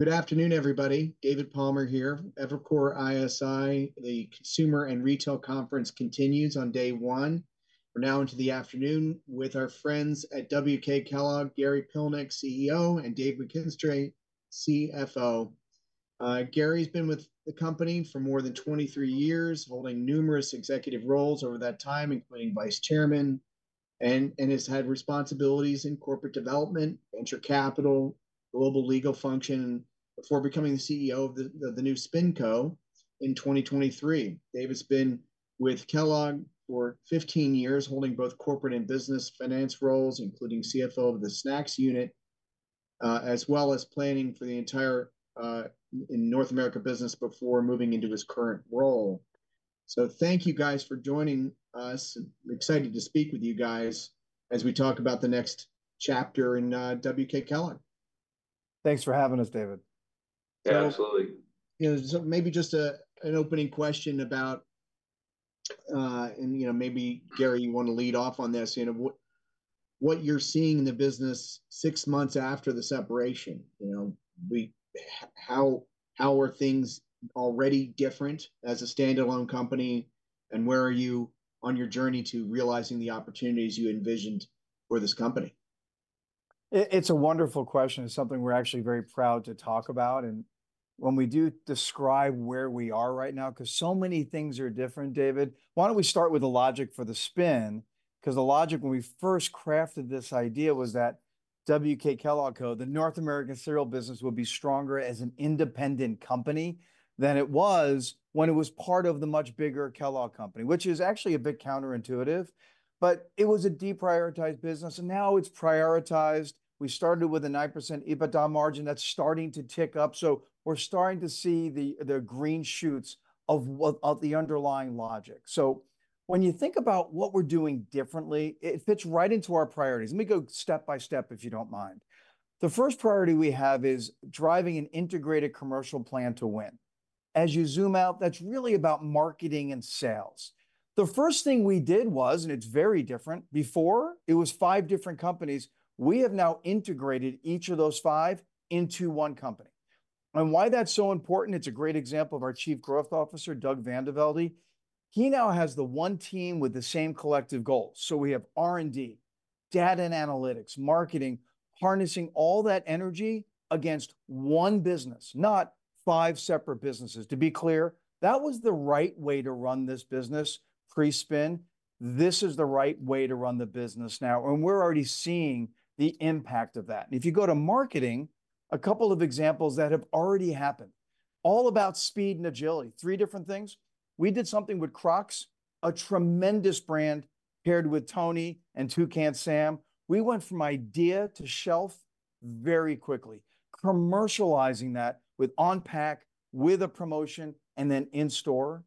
Good afternoon, everybody. David Palmer here. Evercore ISI, the consumer and retail conference, continues on day one. We're now into the afternoon with our friends at WK Kellogg, Gary Pilnick, CEO, and Dave McKinstray, CFO. Gary's been with the company for more than 23 years, holding numerous executive roles over that time, including Vice Chairman, and has had responsibilities in corporate development, venture capital, global legal function, before becoming the CEO of the new SpinCo in 2023. Dave has been with Kellogg for 15 years, holding both corporate and business finance roles, including CFO of the snacks unit, as well as planning for the entire North America business before moving into his current role. Thank you guys for joining us. We're excited to speak with you guys as we talk about the next chapter in WK Kellogg. Thanks for having us, David. Yeah, absolutely. Maybe just an opening question about, and maybe Gary, you want to lead off on this, what you're seeing in the business six months after the separation. How are things already different as a standalone company, and where are you on your journey to realizing the opportunities you envisioned for this company? It's a wonderful question. It's something we're actually very proud to talk about. And when we do describe where we are right now, because so many things are different, David, why don't we start with the logic for the spin? Because the logic when we first crafted this idea was that WK Kellogg Co, the North American cereal business, would be stronger as an independent company than it was when it was part of the much bigger Kellogg Company, which is actually a bit counterintuitive. But it was a deprioritized business, and now it's prioritized. We started with a 9% EBITDA margin that's starting to tick up. So we're starting to see the green shoots of the underlying logic. So when you think about what we're doing differently, it fits right into our priorities. Let me go step by step, if you don't mind. The first priority we have is driving an integrated commercial plan to win. As you zoom out, that's really about marketing and sales. The first thing we did was, and it's very different, before it was five different companies, we have now integrated each of those five into one company. Why that's so important, it's a great example of our Chief Growth Officer, Doug VanDeVelde. He now has the one team with the same collective goals. So we have R&D, data and analytics, marketing, harnessing all that energy against one business, not five separate businesses. To be clear, that was the right way to run this business pre-spin. This is the right way to run the business now. We're already seeing the impact of that. If you go to marketing, a couple of examples that have already happened, all about speed and agility, three different things. We did something with Crocs, a tremendous brand, paired with Tony and Toucan Sam. We went from idea to shelf very quickly, commercializing that with on-pack, with a promotion, and then in store.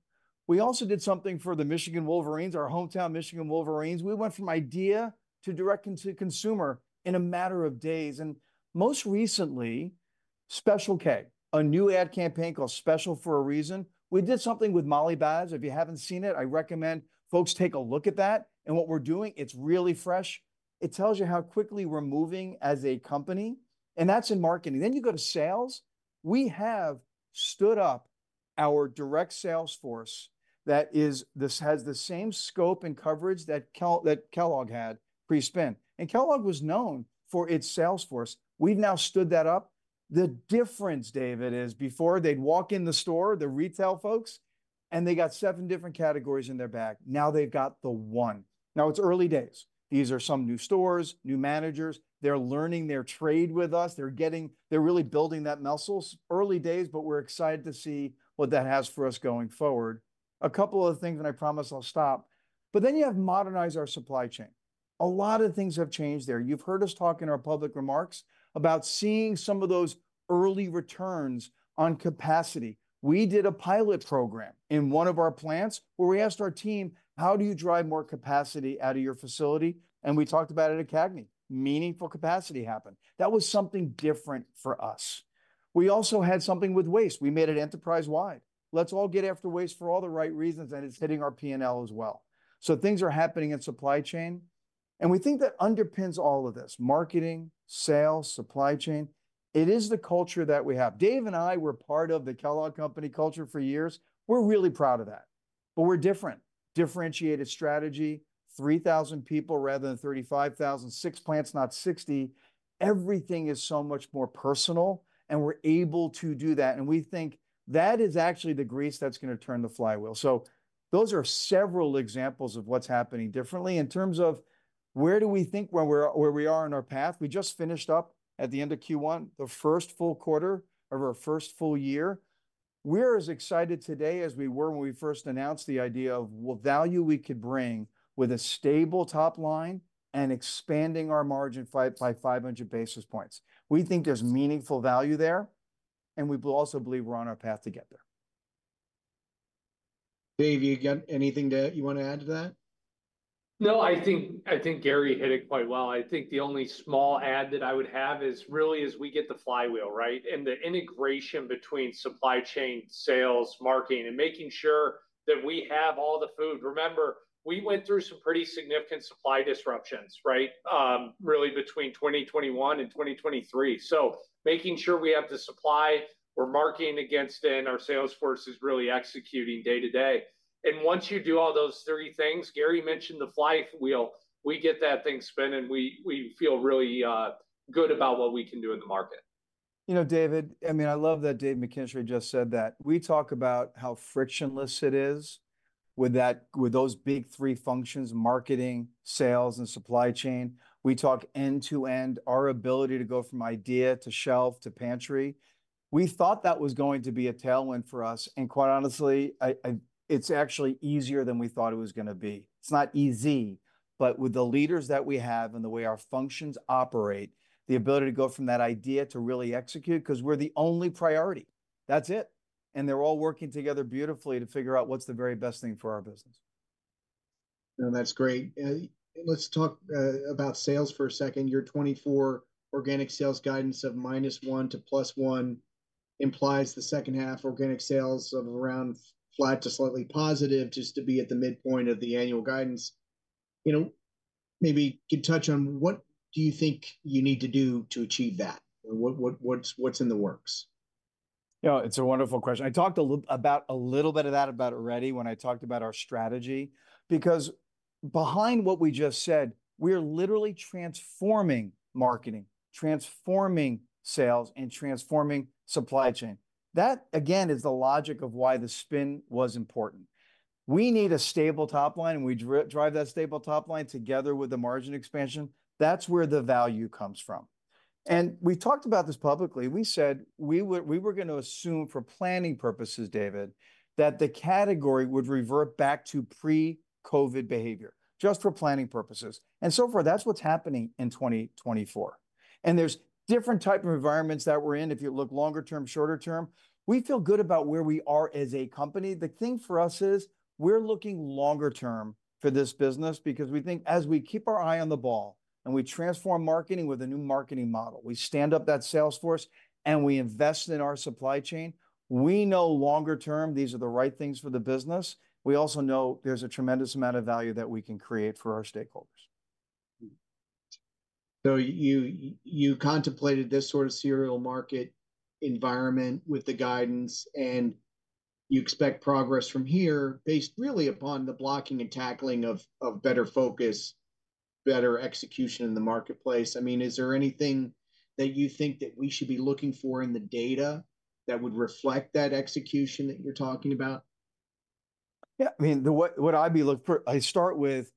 We also did something for the Michigan Wolverines, our hometown Michigan Wolverines. We went from idea to direct-to-consumer in a matter of days. And most recently, Special K, a new ad campaign called Special for a Reason. We did something with Molly Baz. If you haven't seen it, I recommend folks take a look at that. And what we're doing, it's really fresh. It tells you how quickly we're moving as a company, and that's in marketing. Then you go to sales. We have stood up our direct sales force that has the same scope and coverage that Kellogg had pre-spin. And Kellogg was known for its sales force. We've now stood that up. The difference, David, is before they'd walk in the store, the retail folks, and they got seven different categories in their bag. Now they've got the one. Now it's early days. These are some new stores, new managers. They're learning their trade with us. They're really building that muscle. Early days, but we're excited to see what that has for us going forward. A couple of things, and I promise I'll stop. But then you have modernized our supply chain. A lot of things have changed there. You've heard us talk in our public remarks about seeing some of those early returns on capacity. We did a pilot program in one of our plants where we asked our team: How do you drive more capacity out of your facility? And we talked about it at CAGNY. Meaningful capacity happened. That was something different for us. We also had something with waste. We made it enterprise-wide. Let's all get after waste for all the right reasons, and it's hitting our P&L as well. So things are happening in supply chain. And we think that underpins all of this: marketing, sales, supply chain. It is the culture that we have. Dave and I, we're part of the Kellogg Company culture for years. We're really proud of that. But we're different. Differentiated strategy, 3,000 people rather than 35,000, six plants, not 60. Everything is so much more personal, and we're able to do that. And we think that is actually the grease that's going to turn the flywheel. So those are several examples of what's happening differently in terms of where do we think we are in our path. We just finished up at the end of Q1, the first full quarter of our first full year. We're as excited today as we were when we first announced the idea of the value we could bring with a stable top line and expanding our margin by 500 basis points. We think there's meaningful value there, and we also believe we're on our path to get there. Dave, do you have anything that you want to add to that? No, I think Gary hit it quite well. I think the only small add that I would have is really as we get the flywheel, right, and the integration between supply chain, sales, marketing, and making sure that we have all the food. Remember, we went through some pretty significant supply disruptions, right, really between 2021 and 2023. So making sure we have the supply we're marketing against and our sales force is really executing day to day. And once you do all those three things, Gary mentioned the flywheel, we get that thing spun, and we feel really good about what we can do with the market. You know, David, I mean, I love that Dave McKinstray just said that. We talk about how frictionless it is with those big three functions: marketing, sales, and supply chain. We talk end-to-end, our ability to go from idea to shelf to pantry. We thought that was going to be a tailwind for us. And quite honestly, it's actually easier than we thought it was going to be. It's not easy, but with the leaders that we have and the way our functions operate, the ability to go from that idea to really execute, because we're the only priority. That's it. And they're all working together beautifully to figure out what's the very best thing for our business. That's great. Let's talk about sales for a second. Your 2024 organic sales guidance of -1% to +1% implies the second half organic sales of around flat to slightly positive, just to be at the midpoint of the annual guidance. Maybe you could touch on what do you think you need to do to achieve that? What's in the works? Yeah, it's a wonderful question. I talked a little bit about a little bit of that already when I talked about our strategy, because behind what we just said, we're literally transforming marketing, transforming sales, and transforming supply chain. That, again, is the logic of why the spin was important. We need a stable top line, and we drive that stable top line together with the margin expansion. That's where the value comes from. We talked about this publicly. We said we were going to assume for planning purposes, David, that the category would revert back to pre-COVID behavior, just for planning purposes. So far, that's what's happening in 2024. There's different types of environments that we're in. If you look longer term, shorter term, we feel good about where we are as a company. The thing for us is we're looking longer term for this business because we think as we keep our eye on the ball and we transform marketing with a new marketing model, we stand up that sales force and we invest in our supply chain, we know longer term, these are the right things for the business. We also know there's a tremendous amount of value that we can create for our stakeholders. So you contemplated this sort of cereal market environment with the guidance, and you expect progress from here based really upon the blocking and tackling of better focus, better execution in the marketplace. I mean, is there anything that you think that we should be looking for in the data that would reflect that execution that you're talking about? Yeah, I mean, what I'd be looking for, I start with,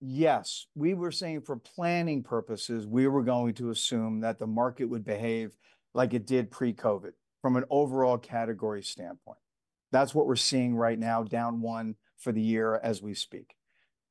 yes, we were saying for planning purposes, we were going to assume that the market would behave like it did pre-COVID from an overall category standpoint. That's what we're seeing right now, down 1% for the year as we speak.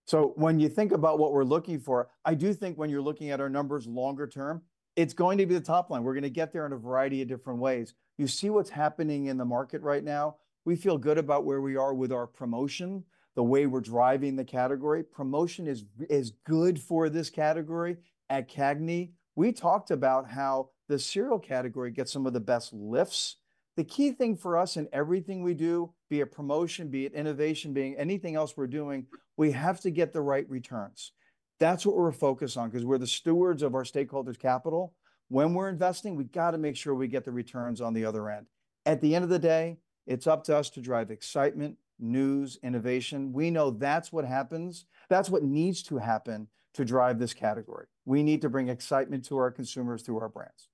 So when you think about what we're looking for, I do think when you're looking at our numbers longer term, it's going to be the top line. We're going to get there in a variety of different ways. You see what's happening in the market right now. We feel good about where we are with our promotion, the way we're driving the category. Promotion is good for this category. At CAGNY, we talked about how the cereal category gets some of the best lifts. The key thing for us in everything we do, be it promotion, be it innovation, be it anything else we're doing, we have to get the right returns. That's what we're focused on because we're the stewards of our stakeholders' capital. When we're investing, we've got to make sure we get the returns on the other end. At the end of the day, it's up to us to drive excitement, news, innovation. We know that's what happens. That's what needs to happen to drive this category. We need to bring excitement to our consumers, to our brands.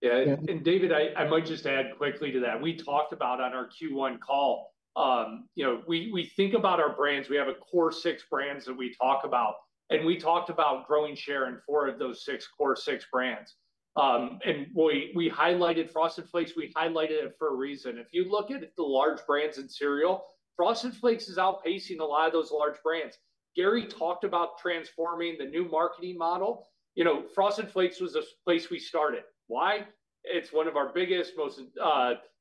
Yeah. David, I might just add quickly to that. We talked about on our Q1 call, we think about our brands. We have a core six brands that we talk about. And we talked about growing share in four of those six core six brands. And we highlighted Frosted Flakes. We highlighted it for a reason. If you look at the large brands in cereal, Frosted Flakes is outpacing a lot of those large brands. Gary talked about transforming the new marketing model. Frosted Flakes was the place we started. Why? It's one of our biggest, most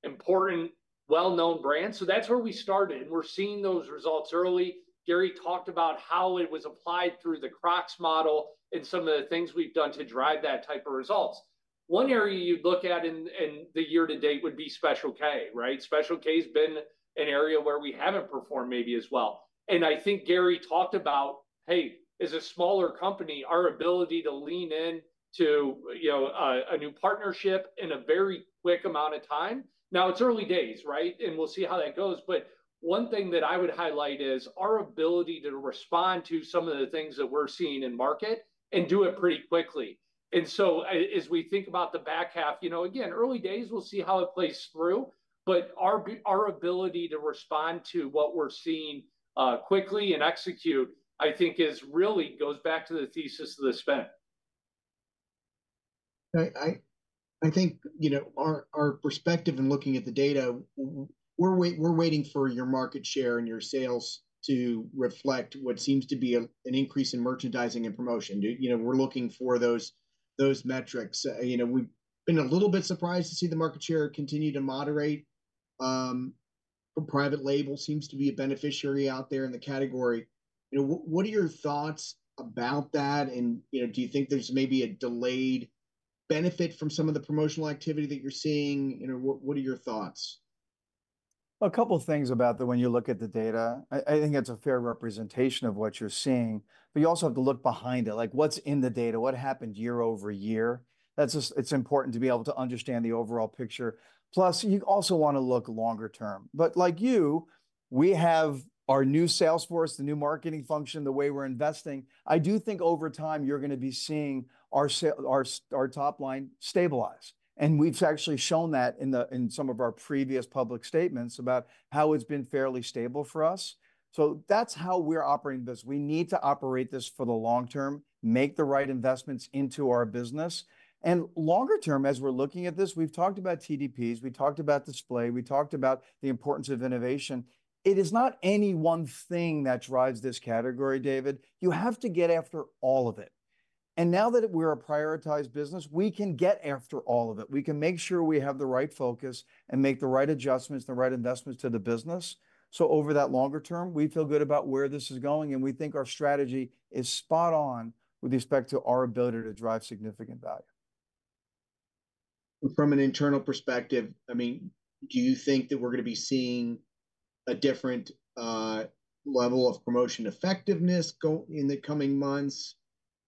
important, well-known brands. So that's where we started. And we're seeing those results early. Gary talked about how it was applied through the Crocs model and some of the things we've done to drive that type of results. One area you'd look at in the year to date would be Special K, right? Special K has been an area where we haven't performed maybe as well. And I think Gary talked about, hey, as a smaller company, our ability to lean into a new partnership in a very quick amount of time. Now it's early days, right? And we'll see how that goes. But one thing that I would highlight is our ability to respond to some of the things that we're seeing in market and do it pretty quickly. And so as we think about the back half, you know again, early days, we'll see how it plays through. But our ability to respond to what we're seeing quickly and execute, I think, is really goes back to the thesis of the spend. I think our perspective in looking at the data, we're waiting for your market share and your sales to reflect what seems to be an increase in merchandising and promotion. We're looking for those metrics. We've been a little bit surprised to see the market share continue to moderate. Private label seems to be a beneficiary out there in the category. What are your thoughts about that? And do you think there's maybe a delayed benefit from some of the promotional activity that you're seeing? What are your thoughts? A couple of things about that when you look at the data. I think it's a fair representation of what you're seeing. But you also have to look behind it. Like what's in the data? What happened year-over-year? It's important to be able to understand the overall picture. Plus, you also want to look longer term. But like you, we have our new sales force, the new marketing function, the way we're investing. I do think over time you're going to be seeing our top line stabilize. And we've actually shown that in some of our previous public statements about how it's been fairly stable for us. So that's how we're operating this. We need to operate this for the long term, make the right investments into our business. And longer term, as we're looking at this, we've talked about TDPs. We talked about display. We talked about the importance of innovation. It is not any one thing that drives this category, David. You have to get after all of it. And now that we're a prioritized business, we can get after all of it. We can make sure we have the right focus and make the right adjustments, the right investments to the business. So over that longer term, we feel good about where this is going. And we think our strategy is spot on with respect to our ability to drive significant value. From an internal perspective, I mean, do you think that we're going to be seeing a different level of promotion effectiveness in the coming months?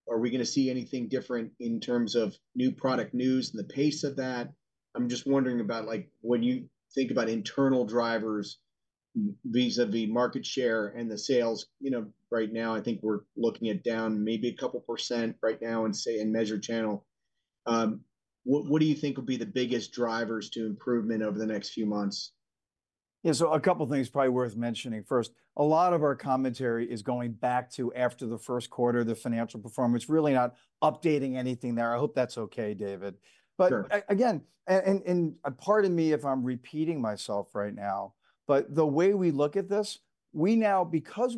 Are we going to see anything different in terms of new product news and the pace of that? I'm just wondering about when you think about internal drivers vis-à-vis market share and the sales. Right now, I think we're looking at down maybe a couple percentage right now in Measured Channel. What do you think will be the biggest drivers to improvement over the next few months? Yeah, so a couple of things probably worth mentioning. First, a lot of our commentary is going back to after the first quarter, the financial performance. Really not updating anything there. I hope that's okay, David. But again, and pardon me if I'm repeating myself right now, but the way we look at this, we now, because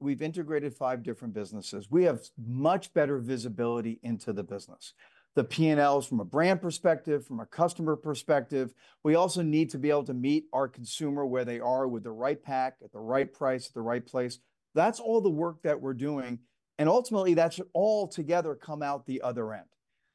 we've integrated five different businesses, we have much better visibility into the business, the P&Ls from a brand perspective, from a customer perspective. We also need to be able to meet our consumer where they are with the right pack, at the right price, the right place. That's all the work that we're doing. And ultimately, that should all together come out the other end.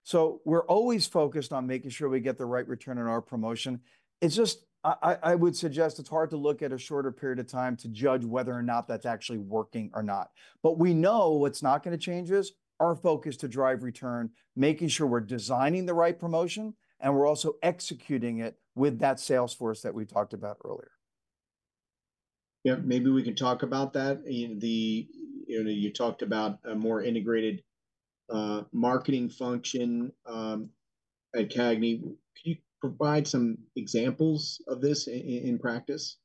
So we're always focused on making sure we get the right return on our promotion. It's just, I would suggest it's hard to look at a shorter period of time to judge whether or not that's actually working or not. But we know what's not going to change is our focus to drive return, making sure we're designing the right promotion, and we're also executing it with that sales force that we talked about earlier. Yeah, maybe we could talk about that. You talked about a more integrated marketing function at CAGNY. Could you provide some examples of this in practice?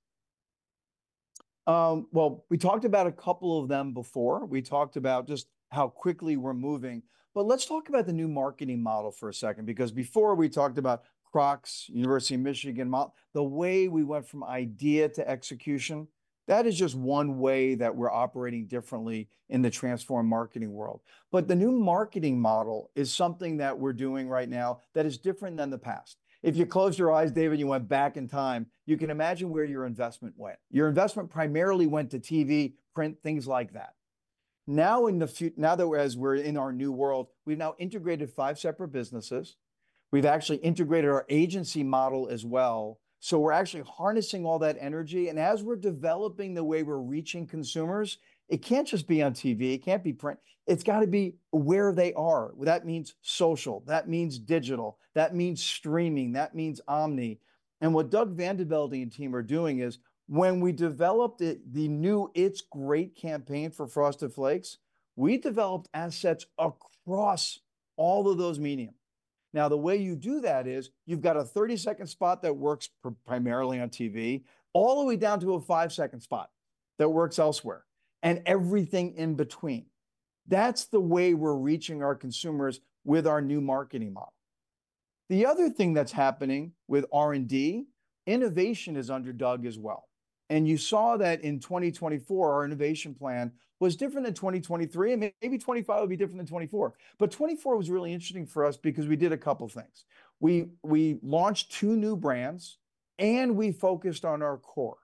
Well, we talked about a couple of them before. We talked about just how quickly we're moving. But let's talk about the new marketing model for a second, because before we talked about Crocs, University of Michigan, the way we went from idea to execution, that is just one way that we're operating differently in the transformed marketing world. But the new marketing model is something that we're doing right now that is different than the past. If you close your eyes, David, and you went back in time, you can imagine where your investment went. Your investment primarily went to TV, print, things like that. Now, as we're in our new world, we've now integrated five separate businesses. We've actually integrated our agency model as well. So we're actually harnessing all that energy. And as we're developing the way we're reaching consumers, it can't just be on TV. It can't be print. It's got to be where they are. That means social. That means digital. That means streaming. That means omni. And what Doug VanDeVelde and team are doing is when we developed the new It's Great campaign for Frosted Flakes, we developed assets across all of those media. Now, the way you do that is you've got a 30-second spot that works primarily on TV, all the way down to a five-second spot that works elsewhere, and everything in between. That's the way we're reaching our consumers with our new marketing model. The other thing that's happening with R&D, innovation is under Doug as well. And you saw that in 2024, our innovation plan was different than 2023. And maybe 2025 will be different than 2024. But 2024 was really interesting for us because we did a couple of things. We launched two new brands, and we focused on our core.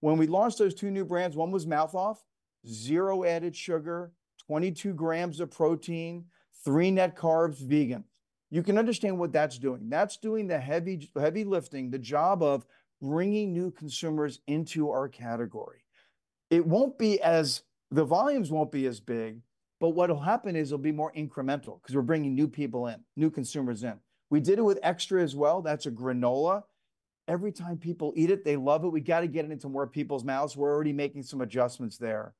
When we launched those two new brands, one was Mouth Off, zero added sugar, 22 grams of protein, three net carbs vegan. You can understand what that's doing. That's doing the heavy lifting, the job of bringing new consumers into our category. It won't be as the volumes won't be as big, but what will happen is it'll be more incremental because we're bringing new people in, new consumers in. We did it with Extra as well. That's a granola. Every time people eat it, they love it. We got to get it into more people's mouths. We're already making some adjustments there.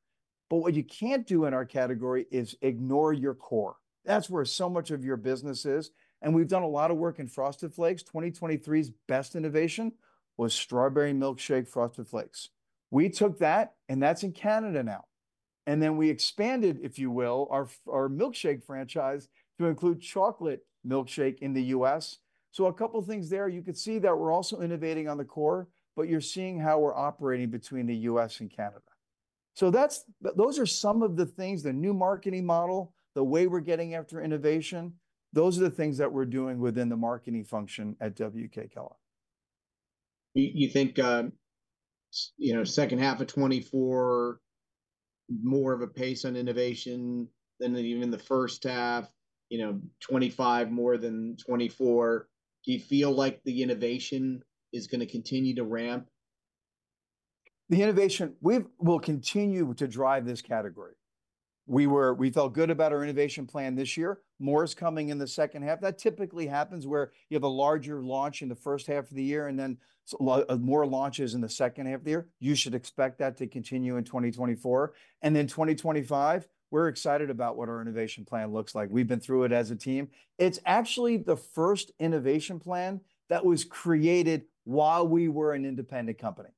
But what you can't do in our category is ignore your core. That's where so much of your business is. And we've done a lot of work in Frosted Flakes. 2023's best innovation was Strawberry Milkshake Frosted Flakes. We took that, and that's in Canada now. And then we expanded, if you will, our milkshake franchise to include Chocolate Milkshake in the U.S.. So a couple of things there. You can see that we're also innovating on the core, but you're seeing how we're operating between the U.S. and Canada. So those are some of the things, the new marketing model, the way we're getting after innovation. Those are the things that we're doing within the marketing function at WK Kellogg. You think second half of 2024, more of a pace on innovation than even the first half, 2025 more than 2024? Do you feel like the innovation is going to continue to ramp? The innovation will continue to drive this category. We felt good about our innovation plan this year. More is coming in the second half. That typically happens where you have a larger launch in the first half of the year and then more launches in the second half of the year. You should expect that to continue in 2024. And then 2025, we're excited about what our innovation plan looks like. We've been through it as a team. It's actually the first innovation plan that was created while we were an independent company.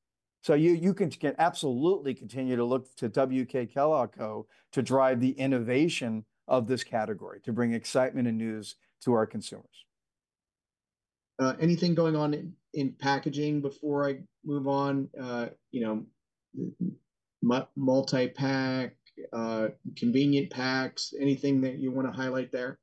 So you can absolutely continue to look to WK Kellogg Co to drive the innovation of this category, to bring excitement and news to our consumers. Anything going on in packaging before I move on? Multi-pack, convenient packs, anything that you want to highlight there?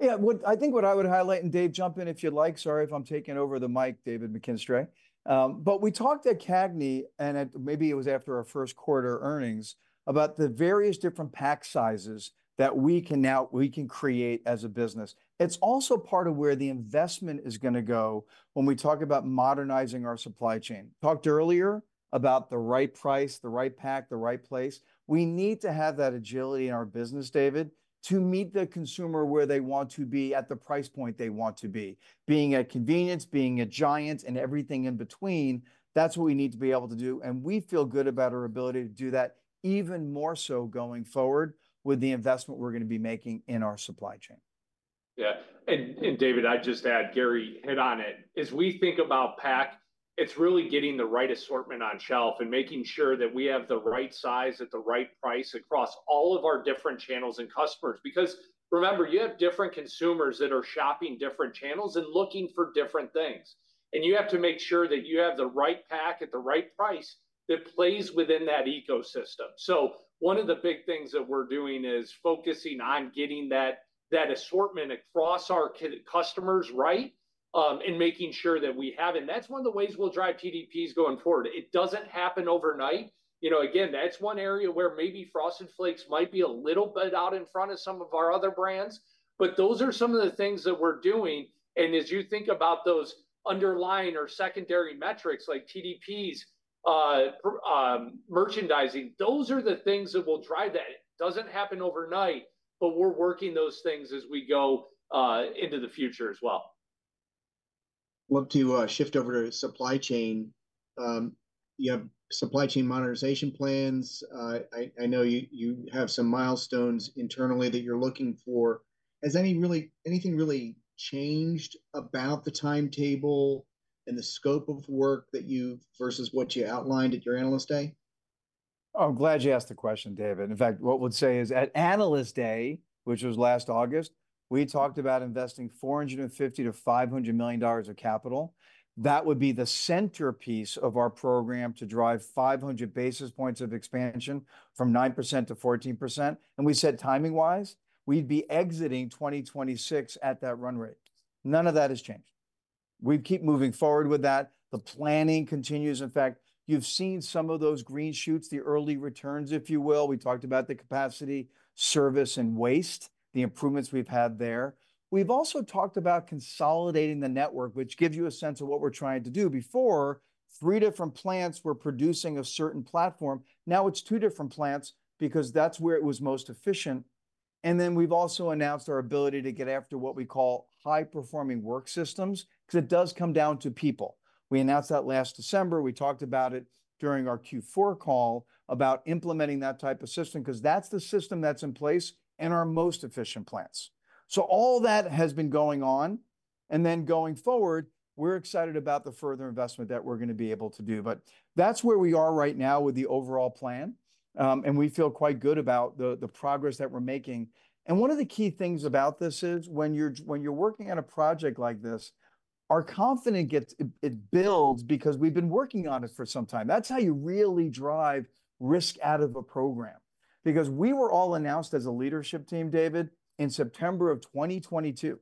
Yeah, I think what I would highlight, and Dave, jump in if you'd like. Sorry if I'm taking over the mic, David McKinstray. But we talked at CAGNY, and maybe it was after our first quarter earnings, about the various different pack sizes that we can create as a business. It's also part of where the investment is going to go when we talk about modernizing our supply chain. Talked earlier about the right price, the right pack, the right place. We need to have that agility in our business, David, to meet the consumer where they want to be at the price point they want to be. Being a convenience, being a giant, and everything in between, that's what we need to be able to do. We feel good about our ability to do that even more so going forward with the investment we're going to be making in our supply chain. Yeah. And David, I'd just add, Gary hit on it. As we think about pack, it's really getting the right assortment on shelf and making sure that we have the right size at the right price across all of our different channels and customers. Because remember, you have different consumers that are shopping different channels and looking for different things. And you have to make sure that you have the right pack at the right price that plays within that ecosystem. So one of the big things that we're doing is focusing on getting that assortment across our customers right and making sure that we have it. And that's one of the ways we'll drive TDPs going forward. It doesn't happen overnight. Again, that's one area where maybe Frosted Flakes might be a little bit out in front of some of our other brands. But those are some of the things that we're doing. As you think about those underlying or secondary metrics like TDPs, merchandising, those are the things that will drive that. It doesn't happen overnight, but we're working those things as we go into the future as well. I'd love to shift over to supply chain. You have supply chain modernization plans. I know you have some milestones internally that you're looking for. Has anything really changed about the timetable and the scope of work versus what you outlined at your analyst day? I'm glad you asked the question, David. In fact, what I would say is at analyst day, which was last August, we talked about investing $450 million-$500 million of capital. That would be the centerpiece of our program to drive 500 basis points of expansion from 9%-14%. And we said timing-wise, we'd be exiting 2026 at that run rate. None of that has changed. We keep moving forward with that. The planning continues. In fact, you've seen some of those green shoots, the early returns, if you will. We talked about the capacity, service, and waste, the improvements we've had there. We've also talked about consolidating the network, which gives you a sense of what we're trying to do. Before, three different plants were producing a certain platform. Now it's two different plants because that's where it was most efficient. We've also announced our ability to get after what we call High-Performing Work Systems because it does come down to people. We announced that last December. We talked about it during our Q4 call about implementing that type of system because that's the system that's in place in our most efficient plants. All that has been going on. Going forward, we're excited about the further investment that we're going to be able to do. That's where we are right now with the overall plan. We feel quite good about the progress that we're making. One of the key things about this is when you're working on a project like this, our confidence builds because we've been working on it for some time. That's how you really drive risk out of a program. Because we were all announced as a leadership team, David, in September of 2022.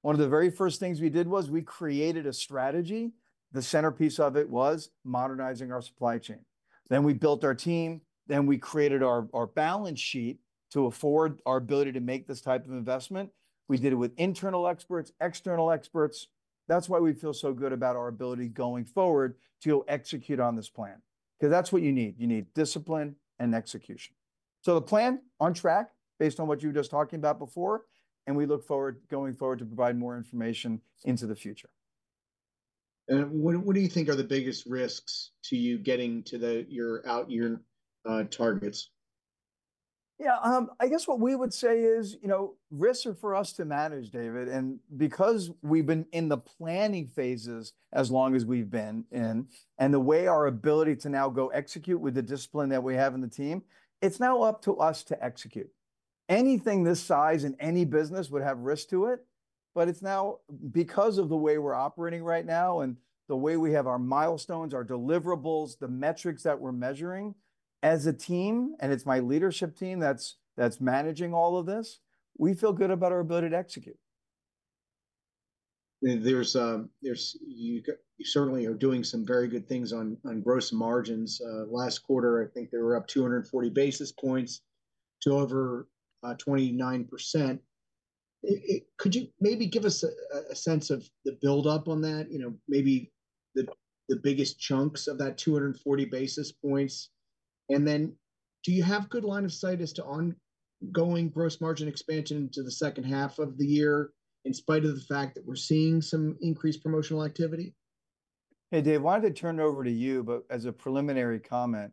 One of the very first things we did was we created a strategy. The centerpiece of it was modernizing our supply chain. Then we built our team. Then we created our balance sheet to afford our ability to make this type of investment. We did it with internal experts, external experts. That's why we feel so good about our ability going forward to execute on this plan. Because that's what you need. You need discipline and execution. So the plan on track based on what you were just talking about before. And we look forward going forward to provide more information into the future. What do you think are the biggest risks to you getting to your targets? Yeah, I guess what we would say is risks are for us to manage, David. Because we've been in the planning phases as long as we've been and the way our ability to now go execute with the discipline that we have in the team, it's now up to us to execute. Anything this size in any business would have risks to it. It's now because of the way we're operating right now and the way we have our milestones, our deliverables, the metrics that we're measuring as a team, and it's my leadership team that's managing all of this, we feel good about our ability to execute. You certainly are doing some very good things on gross margins. Last quarter, I think they were up 240 basis points to over 29%. Could you maybe give us a sense of the build-up on that, maybe the biggest chunks of that 240 basis points? Then do you have good line of sight as to ongoing gross margin expansion into the second half of the year in spite of the fact that we're seeing some increased promotional activity? Hey, Dave, why did it turn over to you, but as a preliminary comment,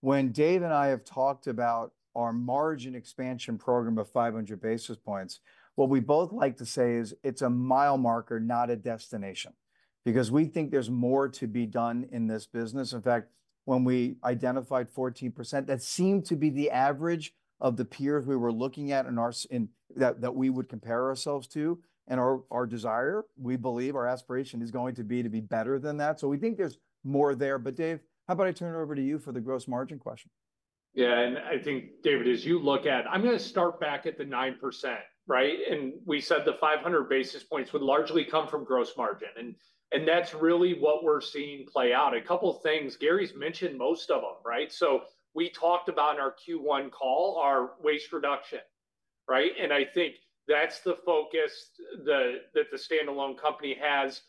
when Dave and I have talked about our margin expansion program of 500 basis points, what we both like to say is it's a mile marker, not a destination, because we think there's more to be done in this business. In fact, when we identified 14%, that seemed to be the average of the peers we were looking at that we would compare ourselves to and our desire, we believe our aspiration is going to be to be better than that. So we think there's more there. But Dave, how about I turn it over to you for the gross margin question? Yeah, and I think, David, as you look at it, I'm going to start back at the 9%, right? And we said the 500 basis points would largely come from gross margin. And that's really what we're seeing play out. A couple of things, Gary's mentioned most of them, right? So we talked about in our Q1 call, our waste reduction, right? And I think that's the focus that the standalone company has.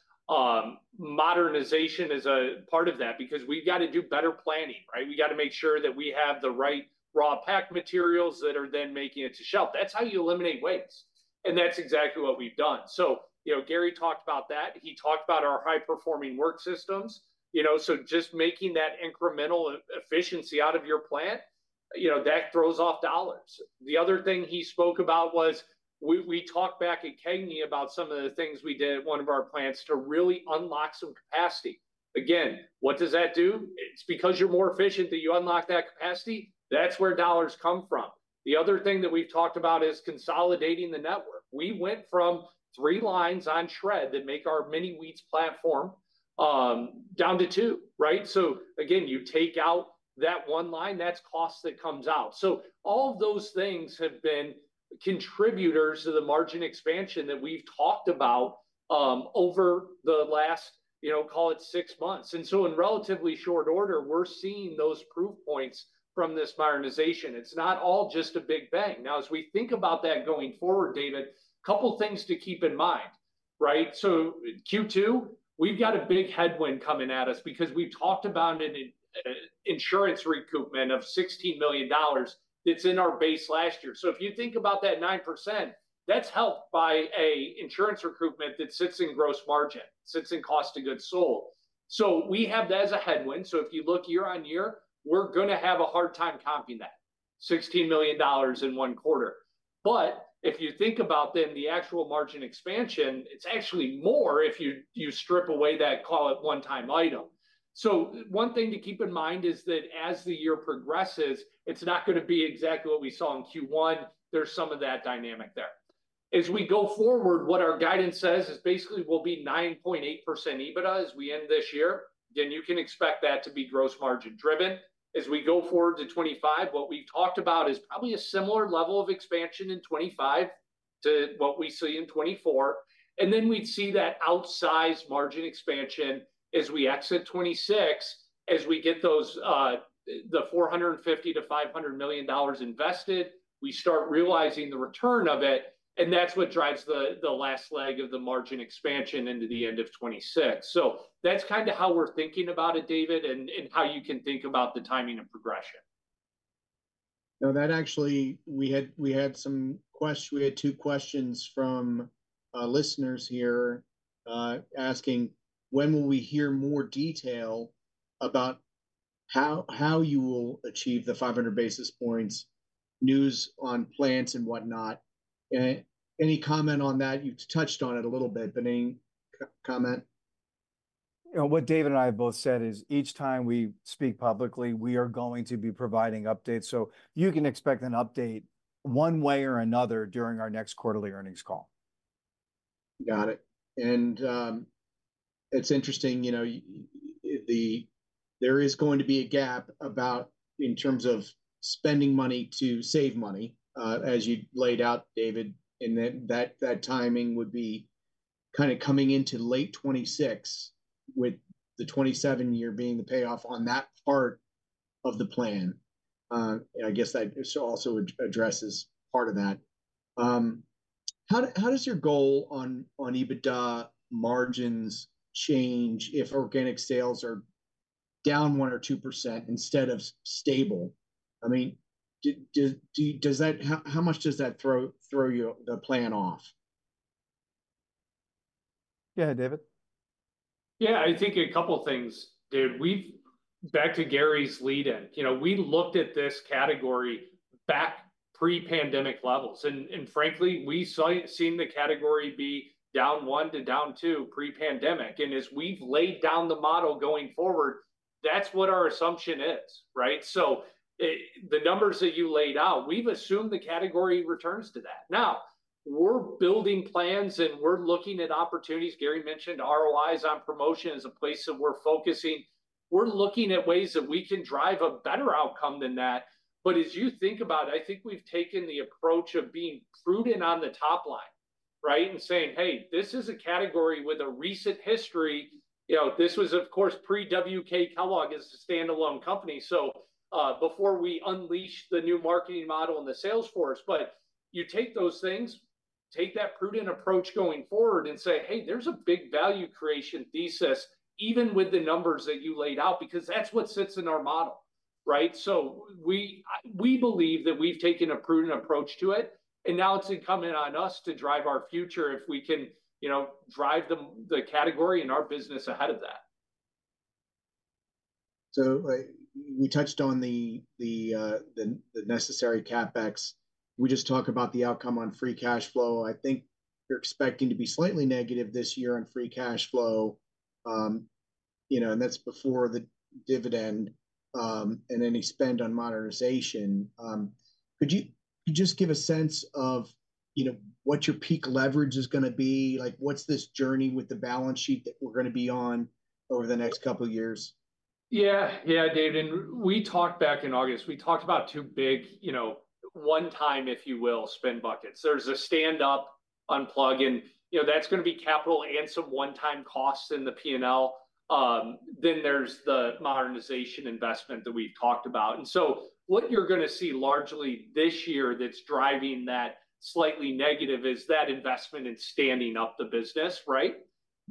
Modernization is a part of that because we've got to do better planning, right? We got to make sure that we have the right raw pack materials that are then making it to shelf. That's how you eliminate waste. And that's exactly what we've done. So Gary talked about that. He talked about our high-performing work systems. So just making that incremental efficiency out of your plant, that throws off dollars. The other thing he spoke about was we talked back at Kellogg about some of the things we did at one of our plants to really unlock some capacity. Again, what does that do? It's because you're more efficient that you unlock that capacity. That's where dollars come from. The other thing that we've talked about is consolidating the network. We went from three lines on shred that make our Mini-Wheats platform down to two, right? So again, you take out that one line, that's cost that comes out. So all of those things have been contributors to the margin expansion that we've talked about over the last, call it six months. And so in relatively short order, we're seeing those proof points from this modernization. It's not all just a big bang. Now, as we think about that going forward, David, a couple of things to keep in mind, right? So Q2, we've got a big headwind coming at us because we've talked about an insurance recoupment of $16 million that's in our base last year. So if you think about that 9%, that's helped by an insurance recoupment that sits in gross margin, sits in cost of goods sold. So we have that as a headwind. So if you look year-on-year, we're going to have a hard time copying that $16 million in one quarter. But if you think about then the actual margin expansion, it's actually more if you strip away that, call it one-time item. So one thing to keep in mind is that as the year progresses, it's not going to be exactly what we saw in Q1. There's some of that dynamic there. As we go forward, what our guidance says is basically we'll be 9.8% EBITDA as we end this year. Again, you can expect that to be gross margin driven. As we go forward to 2025, what we talked about is probably a similar level of expansion in 2025 to what we see in 2024. And then we'd see that outsized margin expansion as we exit 2026. As we get the $450 million-$500 million invested, we start realizing the return of it. And that's what drives the last leg of the margin expansion into the end of 2026. So that's kind of how we're thinking about it, David, and how you can think about the timing of progression. Now, that actually, we had some questions. We had two questions from listeners here asking when will we hear more detail about how you will achieve the 500 basis points news on plants and whatnot. Any comment on that? You've touched on it a little bit, but any comment? What David and I have both said is each time we speak publicly, we are going to be providing updates. You can expect an update one way or another during our next quarterly earnings call. Got it. It's interesting, there is going to be a gap in terms of spending money to save money, as you laid out, David, and that timing would be kind of coming into late 2026, with the 2027 year being the payoff on that part of the plan. I guess that also addresses part of that. How does your goal on EBITDA margins change if organic sales are down 1% or 2% instead of stable? I mean, how much does that throw the plan off? Yeah, David? Yeah, I think a couple of things, David. Back to Gary's lead-in. We looked at this category back pre-pandemic levels. Frankly, we saw it seeing the category be down 1%-2% pre-pandemic. As we've laid down the model going forward, that's what our assumption is, right? So the numbers that you laid out, we've assumed the category returns to that. Now, we're building plans and we're looking at opportunities. Gary mentioned ROIs on promotion as a place that we're focusing. We're looking at ways that we can drive a better outcome than that. But as you think about it, I think we've taken the approach of being prudent on the top line, right, and saying: Hey, this is a category with a recent history. This was, of course, pre-WK Kellogg as a standalone company. So before we unleashed the new marketing model and the sales force. But you take those things, take that prudent approach going forward and say: Hey, there's a big value creation thesis, even with the numbers that you laid out, because that's what sits in our model, right? So we believe that we've taken a prudent approach to it. And now it's incumbent on us to drive our future if we can drive the category and our business ahead of that. So we touched on the necessary CapEx. We just talked about the outcome on free cash flow. I think you're expecting to be slightly negative this year on free cash flow. And that's before the dividend and any spend on modernization. Could you just give a sense of what your peak leverage is going to be? What's this journey with the balance sheet that we're going to be on over the next couple of years? Yeah, yeah, David. And we talked back in August, we talked about two big one-time, if you will, spend buckets. There's a stand-up unplug, and that's going to be capital and some one-time costs in the P&L. Then there's the modernization investment that we talked about. And so what you're going to see largely this year that's driving that slightly negative is that investment in standing up the business, right?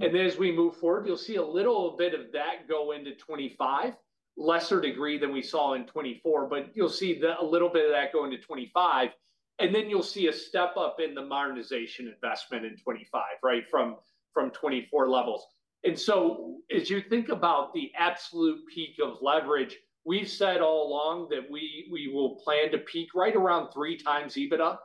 And then as we move forward, you'll see a little bit of that go into 2025, lesser degree than we saw in 2024, but you'll see a little bit of that go into 2025. And then you'll see a step up in the modernization investment in 2025, right, from 2024 levels. And so as you think about the absolute peak of leverage, we've said all along that we will plan to peak right around 3x EBITDA,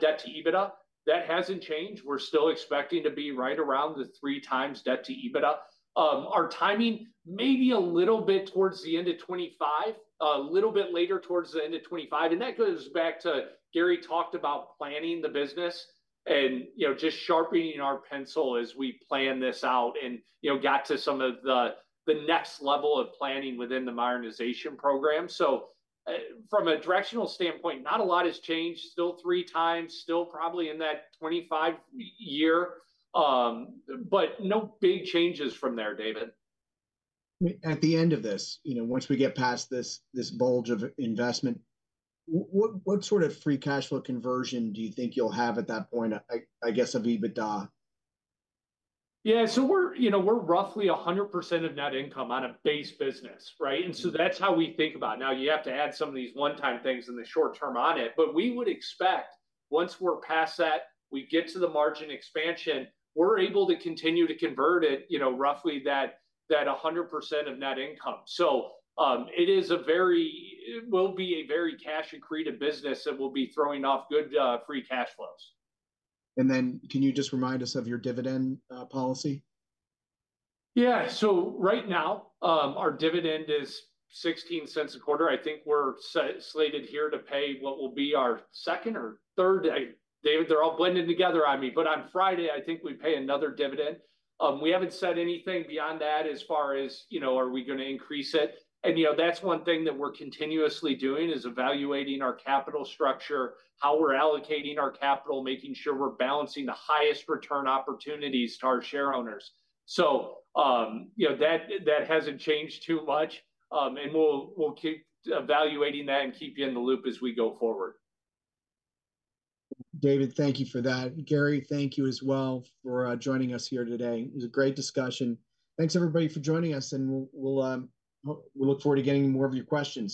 debt to EBITDA. That hasn't changed. We're still expecting to be right around the 3x debt to EBITDA. Our timing may be a little bit towards the end of 2025, a little bit later towards the end of 2025. And that goes back to Gary talked about planning the business and just sharpening our pencil as we plan this out and got to some of the next level of planning within the modernization program. So from a directional standpoint, not a lot has changed. Still 3x, still probably in that 2025 year, but no big changes from there, David. At the end of this, once we get past this bulge of investment, what sort of free cash flow conversion do you think you'll have at that point, I guess, of EBITDA? Yeah, so we're roughly 100% of net income on a base business, right? And so that's how we think about it. Now, you have to add some of these one-time things in the short term on it, but we would expect once we're past that, we get to the margin expansion, we're able to continue to convert it roughly that 100% of net income. So it will be a very cash-accretive business that will be throwing off good free cash flows. Can you just remind us of your dividend policy? Yeah, so right now, our dividend is $0.16 a quarter. I think we're slated here to pay what will be our second or third. David, they're all blending together on me. But on Friday, I think we pay another dividend. We haven't said anything beyond that as far as are we going to increase it? And that's one thing that we're continuously doing is evaluating our capital structure, how we're allocating our capital, making sure we're balancing the highest return opportunities to our share owners. So that hasn't changed too much. And we'll keep evaluating that and keep you in the loop as we go forward. David, thank you for that. Gary, thank you as well for joining us here today. It was a great discussion. Thanks, everybody, for joining us. We'll look forward to getting more of your questions.